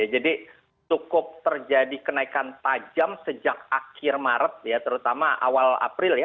jadi cukup terjadi kenaikan tajam sejak akhir maret ya terutama awal april ya